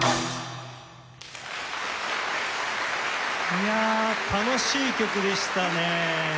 いや楽しい曲でしたね。